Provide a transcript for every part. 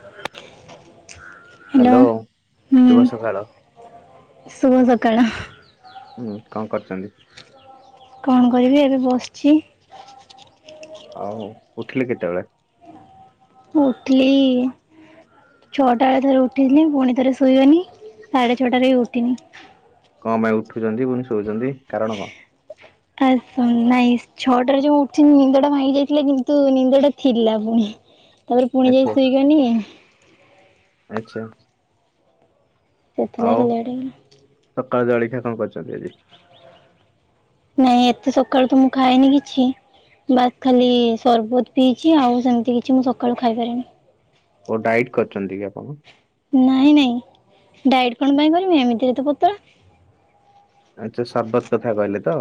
[unintelligible] Hello ଶୁଭ ସକାଳ ହୁଁ ଶୁଭ ସକାଳ। ହୁଁ କଣ କରୁଚନ୍ତି? କଣ କରିବି ଏବେ ବସିଚି। ଆହୂ ଉଠିଲି କେତେବେଳେ? ମୁଁ ଉଠିଲି ଛଅଟା ବେଳେ ଥରେ ଉଠିଥିଲି ପୁଣି ଥରେ ଶୋଇଗନି ସାଢ଼େ ଛଅଟାରେ ଉଠିନି। କଣ ପାଇଁ ଉଠୁଚନ୍ତି ପୁଣି ଶୋଉଚନ୍ତି କାରଣ କଣ? ଆସ ନାଇଁ ଛଅଟାରେ ଯଉଁ ଉଠିି ନିନ୍ଦ ଟା ଭାଙ୍ଗି ଯାଇଥିଲା କିନ୍ତୁ ନିନ୍ଦ ଟା ଥିଲା ପୁଣି। ତାପରେ ପୁଣି ଥରେ ଆଚ୍ଛା ଶୋଇଗନି। ଆଚ୍ଛା। ସେଥି ଲାଗି ଲେଟ୍ ହେଇଗଲା। ସକାଳୁ ଜଳଖିଆ କଣ କରିଚନ୍ତି ଆଜି? ନାଇଁ ଏତେ ସକାଳୁ ତ ମୁଁ ଖାଏନି କିଛି। ବାସ୍ ଖାଲି ସରବତ ପିଇଛି ଆଉ ସେମିତି କିଛି ମୁଁ ସକାଳୁ ଖାଇ ପାରେନି। ଓ ଡାଇଟ୍ କରିଚନ୍ତି କି ଆପଣ? ନାଇଁ ନାଇଁ ଡାଇଟ୍ କଣ ପାଇଁ କରିବି ଏମିତିରେ ତ ପତଳା। ଆଛା ସର୍ବତ କଥା କହିଲେ ତ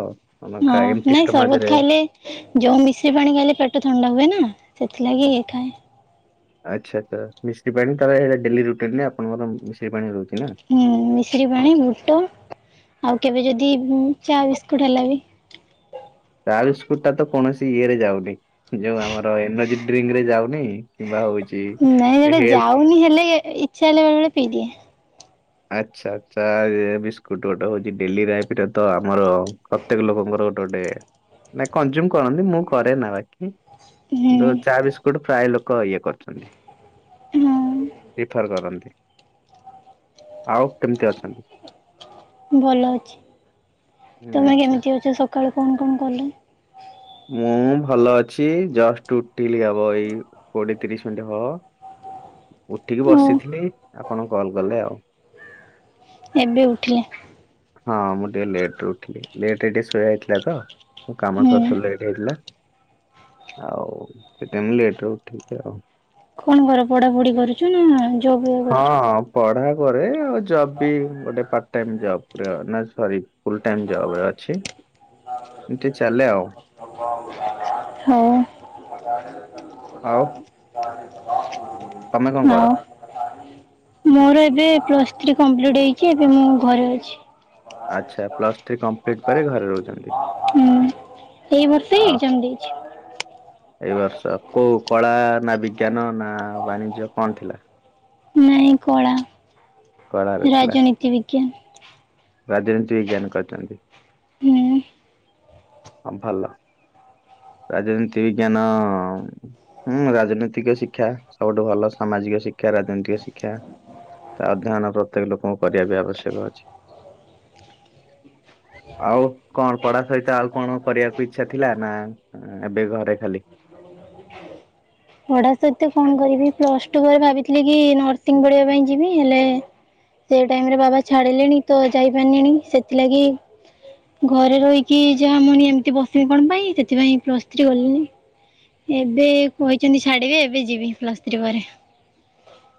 ଆମ ଏମଟି ଷ୍ଟୋମଚ ରେ ଜଉ ମିଶ୍ରି ପାଣି ଖାଇଲେ ପେଟ ଥଣ୍ଡା ହୁଏ ନା ସେଥିଲାଗି ଇ ଖାଏ। ଆଛା ତ ମିଶ୍ରୀ ପାଣି ତାଲେ ହେରା ଡେଲି ରୁଟିନ ନା ଆପଣଙ୍କର ମିଶ୍ରୀ ପାଣି ରହୁଛି ନା? ହୁଁ ମିଶ୍ରି ପାଣି ବୁଟ ଆଉ କେବେ ଯଦି ଉଁ ଚା ବିସ୍କୁଟ୍ ହେଲା ବି ତା ବିସ୍କୁଟ ଟା ତ କୌଣସି ଇଏରେ ଯାଉନି ଯୋଉ ଆମର ଏନର୍ଜି ଡ୍ରିଙ୍କ ରେ ଯାଉନି। କିମ୍ବା ହଉଚି ନାଇଁ ସେଟା ଯାଉନି ହେଲେ ଇଚ୍ଛା ହେଲା ବେଳେ ବେଳେ ପିଇଦିଏ। ଆଚ୍ଛା ଆଚ୍ଛା ଏ ବିସ୍କୁଟ ଗୋଟେ ହଉଛି ଡେଲି ଲାଇଫରେ ତ ଆମର ପ୍ରତ୍ୟେକ ଲୋକଙ୍କର ଗୋଟେ ଗୋଟେ ନା କଂଜୁମ କରନ୍ତି ମୁଁ କରେ ନା ବାକି। ଯୋ ଚା ହୁଁ ବିସ୍କୁଟ ପ୍ରାୟ ଲୋକ ଇଏ କରୁଛନ୍ତି। ହଁ ପ୍ରିଫର୍ କରନ୍ତି। ଆଉ କେମିତି ଅଛନ୍ତି? ଭଲ ଅଛି ହୁଁ ତୁମେ ଆଚ୍ଛା କେମିତି ଅଛ ସକାଳୁ କଣ କଣ କଲ? ମୁଁ ଭଲ ଅଛି ଜଷ୍ଟ ଉଠିଲି ହବ ଏଇ କୋଡିଏ ତିରିଶ ମିନିଟ୍ ହବ। ଉଠିକି ଓ ବସିଥିଲି ଆପଣ କଲ କଲେ ଆଉ। ଏବେ ଉଠିଲେ। ହଁ ମୁଁ ଟିକେ ଲେଟରେ ଉଠିଲି ଲେଟରେ ଟିକେ ଶୋଇବା ହୋଇଥିଲା ତ। କାମ ସରୁ ହୁଁ। ସରୁ ଲେଟ ହେଇଥିଲା। ଆଉ ସେଥିପାଇଁ ମୁଁ ଲେଟରେ ଉଠିଛି ଆଉ। କଣ କର ପଢାପଢି କରୁଛ ନା ଜବ୍ ଇଏ କରୁଛ? ହଁ ପଢା କରେ ଆଉ ଜବ ବି ଗୋଟେ ପାର୍ଟ ଟାଇମ ଜବ ନା ସରୀ ଫୁଲ ଟାଇମ ଜବରେ ଅଛି। ଇମିତି ଚାଲେ ଆଉ। ହଉ। [inaudible] ଆଉ [inaudible] ତମେ କଣ କର? ହଁ ମୋର ଏବେ ପ୍ଲସ୍ ଥ୍ରୀ କଂପ୍ଲିଟ୍ ହେଇକି ଏବେ ମୁଁ ଘରେ ଅଛି। ଆଚ୍ଛା ପ୍ଲସ୍ ଥ୍ରୀ କମ୍ପ୍ଲିଟି ପରେ ଘରେ ରହୁଛନ୍ତି। ହୁଁ ଏଇ ବର୍ଷ ଅ ହି ଏକ୍ଜାମ ଦେଇଛି। ଏଇ ବର୍ଷ କୋଉ କଳା ନା ବିଜ୍ଞାନ ନା ବାଣିଜ୍ୟ କଣ ଥିଲା? ନାଇଁ କଳା କଳାରେ ଥିଲା ରାଜନୀତି ବିଜ୍ଞାନ। ରାଜନୀତି ବିଜ୍ଞାନ କରିଛନ୍ତି। ହୁଁ। ହଁ ଭଲ ରାଜନୀତି ବିଜ୍ଞାନ ହୁଁ ରାଜନୈତିକ ଶିକ୍ଷା ସବୁଠୁଁ ଭଲ ସାମାଜିକ ଶିକ୍ଷା ରାଜନୈତିକ ଶିକ୍ଷା। ତା ଅଧ୍ୟୟନ ପ୍ରତ୍ୟେକ ଲୋକଙ୍କୁ କରିବା ବି ଆବଶ୍ୟକ ଅଛି। ଆଉ କଣ ପଢା ସହିତ ଆଉ କଣ କରିବାକୁ ଇଚ୍ଛା ଥିଲା। ନାଁ ଏବେ ଘରେ ଖାଲି। ପଢ଼ା ସହିତ କଣ କରିବି ପ୍ଲସ ଟୁ ବେଳେ ଭାବିଥିଲି କି ନର୍ସିଂ ପଢିବା ପାଇଁ ଯିବି ହେଲେ ସେଇ ଟାଇମରେ ବାବା ଛାଡିଲେଣି ତ ଯାଇପାରିଲିଣି ସେଥିଲାଗି ଘରେ ରହିକି ଯାହା ମୁଁ ଏମିତି ବସିବି କଣ ପାଇଁ ସେଥିପାଇଁ ପ୍ଲସ୍ ଥ୍ରୀ କଲିଣିି। ଏବେ କହିଛନ୍ତି ଛାଡିବେ। ଏବେ ଯିବି ପ୍ଲସ୍ ଥ୍ରୀ ପରେ।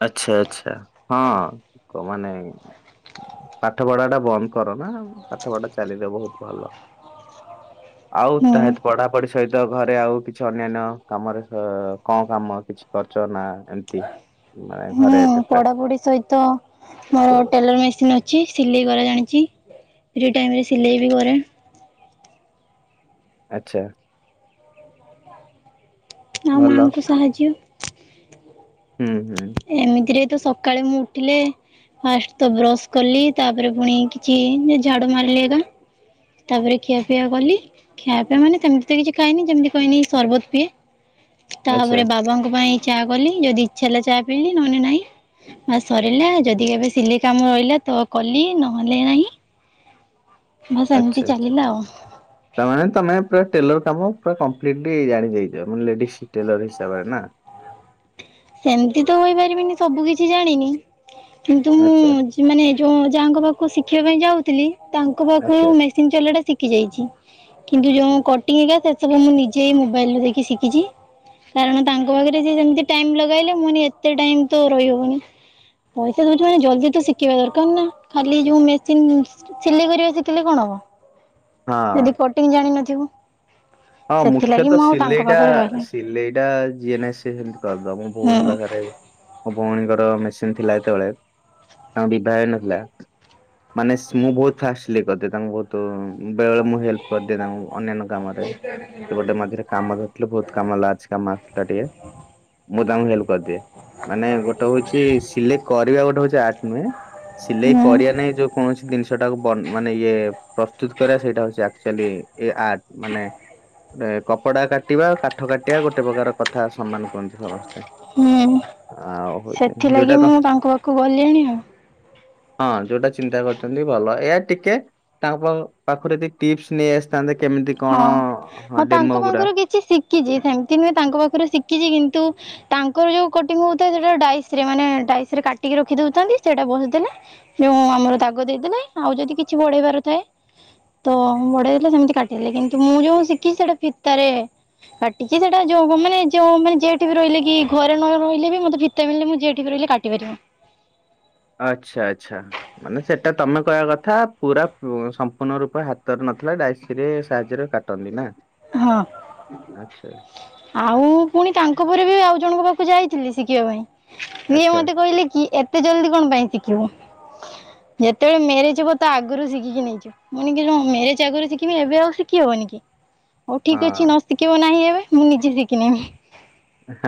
ଆଚ୍ଛା ଆଚ୍ଛା। ହଁ କହ ମାନେ ପାଠ ପଢାଟା ବନ୍ଦ କରନା ପାଠ ପଢା ଚାଲିଥାଉ ବହୁତ ଭଲ। ଦଶକ ସଇଲାଣି ଆଉ ତା ସହିତ ପଢାପଢି ସହିତ ଘରେ ଆଉ କିଛି ଅନ୍ୟାନ୍ୟ କାମରେ ଅଁ କଣ କାମ କିଛି କରୁଛ ନାଁ ଏମିତି ମାନେ ହୁଁ ଘରେ ଏବେ ପୁରା ପଢାପଢି ସହିତ ମୋର ଟେଲର୍ ମେସିନ୍ ଅଛି ସିଲେଇ କରା ଜାଣିଛି ଫ୍ରି ଟାଇମରେ ସିଲେଇ ବି କରେ। ଆଚ୍ଛା। ଆଉ ଭଲ ମାଆଙ୍କୁ ସାହାଯ୍ୟ ହୁଁ ହୁଁ। ଏମିତିରେ ତ ସକାଳେ ମୁଁ ଉଠିଁଲେ? ଫାଷ୍ଟ ତ ବ୍ରଶ କଲି ତାପରେ ପୁଣି କିଛି ଝାଡୁ ମାରିଲି ଏକାଁ। ତାପରେ ଖିଆପିଆ କଲି। ଖିଆ ପିଆ ମାନେ ସେମିତି ତ କିଛି ଖାଇନି ଯେମିତି କହିନି ସରବ୍ରତ ପିଏ। ଆଚ୍ଛା ତାପରେ ବାବାଙ୍କ ପାଇଁ ଚା କଲି ଯଦି ଇଚ୍ଛା ହେଲା ଚା ପିଇଲିି ନହେଲେ ନାହିଁ। ବାସ ସରିଲା ଯଦି କେବେ ସିଲି କାମ ରହିଲା ତ କଲି ନହେଲେ ନାହିଁ। ବାସ୍ ଏମିତି ଆଚ୍ଛା ଆଚ୍ଛା। ଚାଲିଲା ଆଉ ତାମାନେ ତମେ ପୁରା ଟେଲର କାମ ପୁର କମ୍ପିଲିଟିଲି ଜାଣି ଯାଇଛ ଲେଡିସି ଟେଲର ହିସାବରେ ନାଁ ସେମିତି ତ କହିପାରିବିନି ସବୁ କିଛି ଜାଣିନି କିନ୍ତୁ ମୁଁ ଆଚ୍ଛା ଯଂ ମାନେ ଯୋଉଁ ଯାହାଙ୍କ ପାଖକୁ ଶିଖିବା ପାଇଁ ଯାଉଥିଲି ତାଙ୍କ ଆଚ୍ଛା ପାଖରୁ ମୁଁ ଚଲାଟା ଶିଖି ଯାଇଛି। କିନ୍ତୁ ଯୋଉଁ ମୁଁ କଟିଂ ହରିକା ସେ ସବୁ ମୁଁ ନିଜେ ମୋବାଇଲରୁ ଦେଖି ଶିଖିଛି। କାରଣ ତାଙ୍କ ପାଖରେ ଯେ ଯେମିତି ଟାଇମ୍ ଲଗେଇ ସେ କହିଲେ ଏତେ ଟାଇମ ତ ରହିହବନି ପଇସା ଦଉଛି ମାନେ ଜଲଦି ତ ଶିଖିବା ଦରକାର ନାଁ। ଖାଲି ଯୋଉଁ ମେସିନ ସିଲେଇ କରିବା ଶିଖିଲେ କଣ ହବ ହଁ। ଯଦି ଟିଚିଂ ଜାଣିିନଥିବ। ହଁ ମୁଖ୍ୟତଃ ସିଲେଇ ଟା ପାଖରେ ରହିଲିନି। ସିଲେଇଟା ଜିଏ ନାଇଁ ସିଏ ବି କରିଦବ ମୋ ହୁଁ ଭଉଣି ପାଖରେ। ମୋ ଭଉଣୀଙ୍କର ମେସିନ୍ ଥିଲା ଯେତେବେଳେ ତାଙ୍କ ବିିଭା ହେଇନଥିଲା। ମାନେ ସଁ ମୁଁ ବହୁ ଫାଷ୍ଟ ସିଲେଇ କରିଦିଏ। ତାଙ୍କୁ ବହୁତ ବେଳେବେଳେ ମୁଁ ହେଲ୍ପ କରିଦିଏ ତାଙ୍କୁ ଅନ୍ୟାନ୍ୟ କାମ ରେ। ସେ ଗୋଟେ ମଝିରେ କାମ ଧରିଥିଲେ ବହୁତ କାମ ଲାଷ୍ଟ କାମ ଆସିଥିଲା ଟିକେ ମୁଁ ତାଙ୍କୁ ହେଲ୍ପ କରିଦିଏ। ମାନେ ଗୋଟେ ହଉଛି ସିଲେକ୍ଟ କରିବା ଗୋଟେ ହଉଛି ଆର୍ଟ ନୁହେଁ। ସିଲେଇ ହୁଁ କରିବା ନାଇଁ ଯୋଉଁ କୌଣସି ଜିନିଷଟାକୁ ବନ ମାନେ ଇଏ ପ୍ରସ୍ତୁତ କରିବା ସେଇଟା ହଉଛି ଆଚ୍ୟୁୟେଲି ଏ ଆର୍ଟ ମାନେ କପଡା କାଟିବା କାଠ କାଟିବା ଗୋଟେ ପ୍ରକାର କଥା ସମାନ କୁହନ୍ତି ସମସ୍ତେ। ହୁଁ ଆଉ ହଉଛି ସେଥିଲାଗି ଯୋଉଟା ତ ମୁଁ ତାଙ୍କ ପାଖକୁ ଗଲିଣି ଆଉ ହଁ ଯୋଉଟା ଚିନ୍ତା କରୁଛନ୍ତି ଭଲ ଏୟା ଟିକେ ତାଙ୍କ ପାଖ ପାଖରୁ ଯଦି ଟିପସ ନେଇ ଆସ ଥାନ୍ତେ କେମିତି ହଁ କଣ ହଁ ଡେମୋ ତାଙ୍କ ଗୁରା ପାଖରୁ କିଛି ଶିଖିଚି ସେମିତି ନୁହେଁ ତାଙ୍କ ପାଖରୁ ଶିଖିଚି କିନ୍ତୁ ତାଙ୍କର ଯୋଉ କଟିଂ ହଉଥାଏ ସେଟା ଡାଇସରେ ମାନେ ଡାଇସରେ କାଟିକି ରଖି ଦଉଥାନ୍ତି ସେଇଟା ବସି ଦେଲେ ଯେଉ ଆମର ଦାଗ ଦେଇଦେଲେ ଆଉ ଯଦି କିଛି ବଢେଇବାର ଥାଏ ତ ବଢେଇ ଦେଲେ ସେମିତି କାଟି କିନ୍ତୁ ମୁଁ ଯୋଉ ଶିଖି ସେଟା ଫିତାରେ କାଟିଚି ସେଇଟା ଯୋଉ ମାନେ ଯୋଉ ମାନେ ଯେଇଠି ରହିଲେ କି ଘରେ ନ ରହିଲେ ବି ମତେ [unintelligible] ମୁଁ ଯିଏଠି ବି ରହିଲେ କାଟିପାରିବି। ଆଚ୍ଛା ଆଚ୍ଛା। ମାନେ ସେଟା ତମେ କହିବା କଥା ପୁରା ସମ୍ପୂର୍ଣ୍ଣ ରୂପ ହାତରେ ନଥିଲା ଡାଇସିରେ ସାହାଯ୍ୟରେ କାଟ ଟନ୍ତି ନା ହଁ। ଆଚ୍ଛା। ଆଉ ପୁଣି ତାଙ୍କ ପରେ ବି ଆଉ ଜଣଙ୍କ ପାଖକୁ ଯାଇଥିଲି ଶିଖିବା ପାଇଁ ସିଏ ଆଚ୍ଛା ମତେ କହିଲେ କି ଏତେ ଜଲଦି କଣ ପାଇଁ ଶିଖିବୁ ଯେତେବେଳେ ମେରେଜ ହେବ ତା ଆଗରୁ ଶିଖିକି ନେଇଯିବୁ। ମୁଁଣି ମେରେଜ ଆଗରୁ ଶିଖିବି ଏବେ ଆଉ ଶିଖି ହବନି କି? ହଉ ହଁ ଠିକ୍ ଅଛି ନ ଶିଖିବ ନାହିଁ ଏବେ ମୁଁ ନିଜେ ଶିଖିନେବି।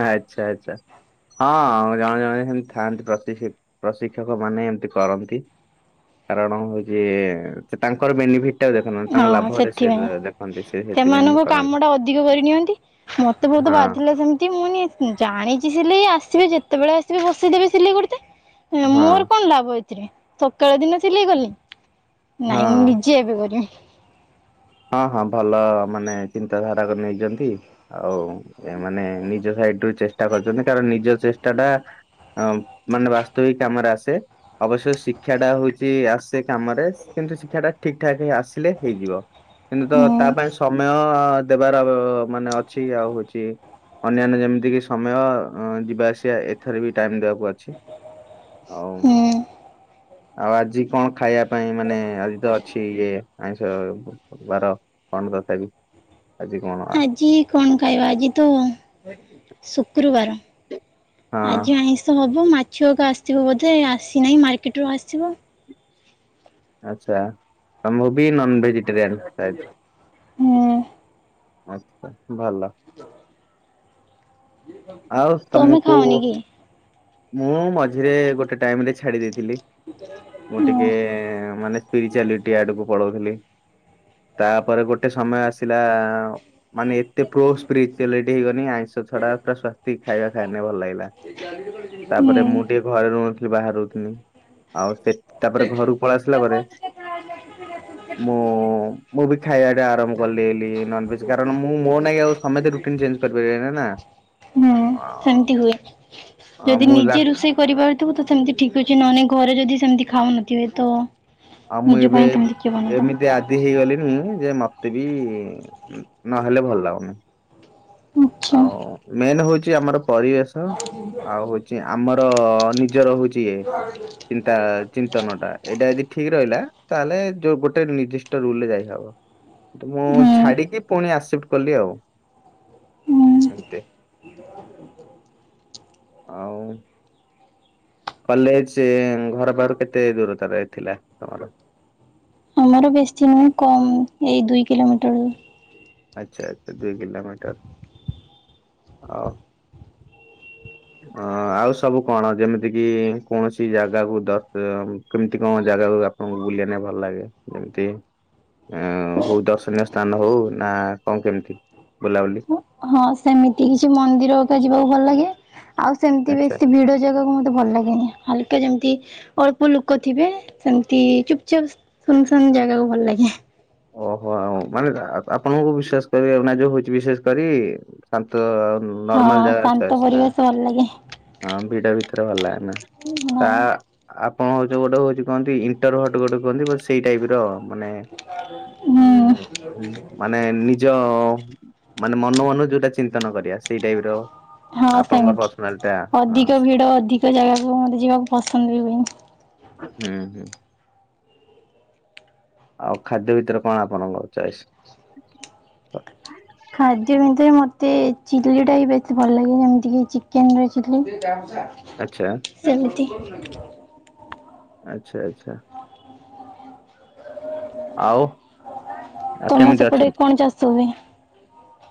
ଆଚ୍ଛା ଆଚ୍ଛା। ହଁ ଜଣେ ଜଣେ ସେମତି ଥାଆନ୍ତି ପ୍ରତିସି ପ୍ରଶିକ୍ଷକ ମାନେ ଏମତି କରନ୍ତି। କାରଣ ହଉଛି ତାଙ୍କର ବେନିଫିଟ ଦେଖନ୍ତି ତାଙ୍କ ହଁ ଲାଭରେ ସେ ସେଥିପାଇଁ। ଦେଖନ୍ତି ସେ ସେଥିପାଇଁ ସେମାନଙ୍କ ଏମିତି କାମ କରନ୍ତି। ଟା ଅଧିକ କରିନିଅନ୍ତି। ମତେ ବହୁତ ହଁ ବାଧିଲା ସେମିତି ମୁଁ ନି ଜାଣିଛି ସିଲେଇ ଆସିବେ ଯେତେବେଳେ ଆସିବେ ବସେଇଦେବେ ସିଲେଇ କରିତେ ହଁ ମୋର କଣ ଲାଭ ଅଛି। ସକାଳ ଦିନେ ସିଲେଇ କଲି ହଁ ନାଇଁ ମୁଁ ନିଜେ ଏବେ କରିବି ହଁ ହଁ ଭଲ ମାନେ ଚିନ୍ତାଧାରା କୁ ନେଇଚନ୍ତି। ଆଉ ଏମାନେ ନିଜ ସାଇଡ ରୁ ଚେଷ୍ଟା କରିଚନ୍ତି କାରଣ ନିଜ ଚେଷ୍ଟାଟା ଅ ମାନେ ବାସ୍ତବିକ କାମର ଆସେ। ଅବଶ୍ୟ ଶିକ୍ଷା ଟା ହଉଛି ଆସେ କାମରେ କିନ୍ତୁ ଶିକ୍ଷା ଟା ଠିକ୍ ଠାକ୍ ଆସିଲେ ହେଇଯିବ। କିନ୍ତୁ ତ ହୁଁ ତା ପାଇଁ ସମୟ ଦେବାର ମାନେ ଅଛି ଆଉ ହଉଚି ଅନ୍ୟାନ୍ୟ ଯେମିତିକ ସମୟ ଯିବା ଆସିବା ଏଥର ବି ଟାଇମ୍ ଦେବାକୁ ଅଛି। ହଉ ହୁଁ। ଆଉ ଆଜି କଣ ଖାଇଆ ପାଇଁ ମାନେ ଆଜି ତ ଅଛି ଇ ଆଇଁଷ ବାର କଣ ତଥାପି ଆଜି କଣ? ହଁ ଆଜି କଣ ଖାଇବା ଆଜି ତ ଶୁକ୍ରବାର ଆଜି ଆଇଁଷ ହବ ମାଛଅକା ଆସିବବୋଧେ ଆସିନାହିଁ ମାର୍କେଟରୁୁ ଆସିବ। ଆଚ୍ଛା ମୁଁ ବି ନନଭେଜିଟେରିଆନ। [unintelligible] ହୁଁ ଆଛା ଭଲ। ଆଉ ତମେ ଖାଅନି ତମକୁ- କି? ମୁଁ ମଝିରେ ଗୋଟେ ଟାଇମ ରେ ଛାଡି ଦେଇଥିଲି ମୁଁ ହୁଁ ଟିକେ ମାନେ ସ୍ପିରିଚୁଆଲିଟି ଆଡକୁ ପଳଉଥିଲି। ତାପରେ ଗୋଟେ ସମୟ ଆସିଲା ମାନେ ଏ ଏତେ ପ୍ରୋସ୍ପିରିଚୁଆଲିଟି ହେଇଗନି ଆଇଁଷ ଛଡା ପୁରା ସ୍ୱସ୍ତିକ ଖାଇବା ଖାଇଲେ ଭଲ ଲାଗିଲା। ତାପରେ ମୁଁ ହୁଁ ଟିକେ ଘରେ ରହୁନଥିଲି ବାହାରେ ରହୁଥିଲି ଆଉ ସେ ତାପରେ ଘରକୁ ପଳେଇ ଆସିଲା ପରେ ମୁଁ -ମୁଁ ବି ଖାଇବା ଟା ଆରମ୍ କଲି ବୋଲି ନନଭେଜ୍ କାରଣ ମୁଁ ମୋ ନାଗି ଆଉ ସମସ୍ତେ ରୁଟିନ୍ ଚେଞ୍ଜ କରିପାରିବେନି ନାଁ? ହୁଁ ସେମିତି ହୁଏ ଅ ଯଦି ମୁଁ ଲା ନିଜେ ରୁଷେଇ କରିପାରୁଥିବୁ ତୁ ସେମିତି ଠିକ୍ ଅଛି ନଅନେ ଘରେ ଯଦି ସେମିତି ଖାଉନଥିବେ ତ ନିଜ ଏବେ ପାଇଁ ସେମିତି କିଏ ଏମିତି ବନେଇଦବ? ଆଦି ହେଇଗଲି ମୁଁ ଯେ ମତେ ବି ନହେଲେ ଭଲ ଲାଗୁନି। ଆଛା। ମେନ ହୋଉଚି ଆମର ପରିବେଶ ଆଉ ଆଉ ହୋଉଚି ଆମର ନିଜର ହୋଉଚି ଇଏ ଚିନ୍ତା ଚି ତନ ଟା ଏଇଟା ଯଦି ଠିକ୍ ରହିଲା ତାହେଲେ ଯୋଉ ଗୋଟେ ନିର୍ଦିଷ୍ଟ ରୁଲରେ ଯାଇ ହବ। ମୁଁ ହୁଁ ଛାଡିକି ପୁଣି ଆକ୍ସେପ୍ଟ କଲି ଆଉ। ହୁଁ। ଆେ [unintelligible] [inaudible] କଲେଜ୍ ଘର ପାଖରୁ କେତେ ଦୂରତାରେ ଥିଲା ତମର? ଆମର ବେଶୀ ନୁହେଁ କମ୍ ଏଇ ଦୁଇ କିଲୋମିଟର। ଆଚ୍ଛା ଆଛା ଦୁଇ କିଲୋମିଟର ହ ଅ ଆଉ ସବୁ କଣ ଯେମିତି କି କୌଣସି ଜାଗାକୁ ଦ କେମିତି କଣ ଜାଗାକୁ ତମୁକୁ ବୁଲିବା ପାଇଁ ଭଲ ଲାଗେ ଯେମିତି ଅଁ ହୋଉ ଦର୍ଶନୀୟ ସ୍ଥାନ ହୋଉ ନା କଣ କେମିତି ବୁଲାବୁଲି? ହଁ ସେମିତି କିଛି ମନ୍ଦିର ଏକ [unintelligible] ଯିବାକୁ ଭଲ ଲାଗେ। ଆଉ ସେମିତି ଆଚ୍ଛା ବେଶୀ ଭିଡ ଜାଗାକୁ ମତେ ଭଲ ଲାଗେ। ହାଲକା ଯେମିତି ଅଳ୍ପ ଲୋକ ଥିବେ ସେମତି ଚୁପଚାପ୍ ଶୂନ ଶୂନ ଜାଗାକୁୁ ଭଲ ଲାଗେ। ଓହୋ ଆଉ ମାନେ ଆପଣଙ୍କୁ ବିଶ୍ୱାସ କରିବାକୁ ନାଇଁ ଯୋଉ ହୋଇଚି ବିଶେଷ କରି ଶାନ୍ତ ହଁ ନର୍ମାଲ ଜାଗା ଶାନ୍ତ ଚଏସ୍ ନା? ପରିବେଶ ଭଲ ଲାଗେ ହଁ ଭିଡ ଭିତରେ ଭଲ ଲାଗେନି ନା ତା ଆପଣ ଯୋଉ ଗୋଟେ ହୋଉଚି ଯୋଉ କହନ୍ତି ଇଣ୍ଟର ହଟ୍ ଗୋଟେ କୁହନ୍ତି ସେଇ ଟାଇପ୍ ର ମାନେ ହଁ [unintelligible] ଯୋଉ ମାନେ ମନକୁ ମନ ଯୋଉଟା ଚିନ୍ତନ କରିବା ସେଇଟା। ସେଇ ଟାଇପ୍ ର ହଁ ଆପଣଙ୍କ ପର୍ସନାଲିଟା ହଁ। ସେମିତିଆ ଜାଗାକୁ ଯିବାକୁ ମୋର ପସନ୍ଦ ବି ହୁଏନି। ହୁଁ। ଆଉ ଖାଦ୍ୟ ଭିତରେ କଣ ଆପଣଙ୍କ ଚଏସ୍? ଖାଦ୍ୟ ଭିତରେ ମୋତେ ଚିଲି ଟା ହି ବେଶୀ ଭଲ ଲାଗେ ଯେମିତିକି ଚିକେନ ର ଚିଲି। ଆଛା। ସେମିତି। ଆଛା, ଆଛା। ଆଉ ଆଉ ତମ କେମିତି ସେପଟେ ଅଛନ୍ତି? କଣ ଚାଷ ହୁଏ?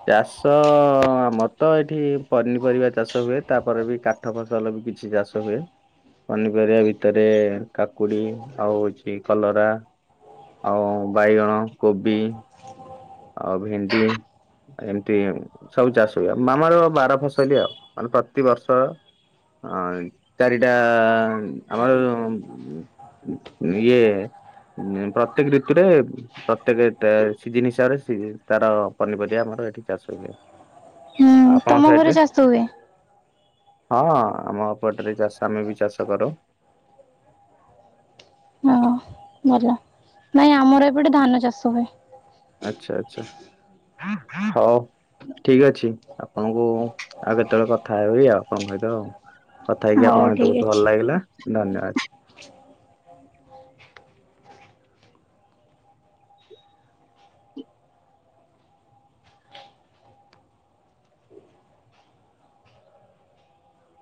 ଚାଷ ଆମର ତ ଏଠି ପନିପରିବା ଚାଷ ହୁଏ ତାପରେ ବି କା କଠ [unintelligible] ଫସଲ ବି କିଛି ଚାଷ ହୁଏ। ପନିପରିବା ଭିତରେ କାକୁଡି ଆଉ ହୋଉଚି କଲରା ଆଉ ବାଇଗଣ କୋବି ଆଉ ଭେଣ୍ଡି ଏମିତି ସବୁ ଚାଷ ହୁଏ ମାମାର ବାର ଫସଲି ଆଉ ମାନେ ପ୍ରତିିବର୍ଷ ହଁ ଚାରିଟା ଆମର ଯୋଉଁ ନିଏ ପ୍ରତ୍ୟେକ ଋତୁରେ ପ୍ରତ୍ୟେକ ସିଜିନ ହିସାବରେ ତାର ପନିପରିବା ଆମର ଏଠି ଚାଷ ହୁଏ। ହୁଁ ଆପଣଙ୍କ ତମ ଘରେ ସାଇଟରେ। ଚାଷ ହୁଏ? ହଁ ଆମ ଏପଟରେ ଚାଷ ଆମେ ବି ଚାଷ କରୁ। ହଁ, ଭଲ। ନାଇଁ ଆମର ଏପଟେ ଧାନ ଚାଷ ହୁଏ। ଆଚ୍ଛା ଆଚ୍ଛା ହଉ। ଠିକ୍ ଅଛି ଆପଣଙ୍କୁ ଆଉ କେତେବେଳେ କଥା ହେବି ଆଉ ଆପଣଙ୍କ ସହିତ ଆଉ। କଥା ହେଇକି ହଉ ଆପଣଙ୍କ ସହିତ ଠିକ ବହୁତ ଭଲ ଅଛି। ଲାଗିଲା, ଧନ୍ୟବାଦ।